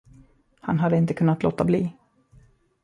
Han hade inte kunnat låta bli.